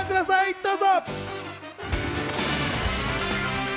どうぞ。